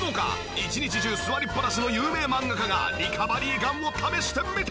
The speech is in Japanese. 一日中座りっぱなしの有名漫画家がリカバリーガンを試してみた！